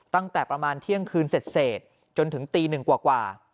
ตั้งแต่ประมาณเที่ยงคืนเสร็จจนถึงตีหนึ่งกว่า